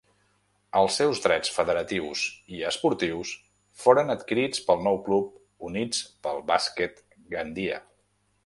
Els seus drets federatius i esportius foren adquirits pel nou club Units pel Bàsquet Gandia.